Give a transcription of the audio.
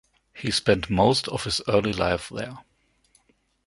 He spent most of his early life there.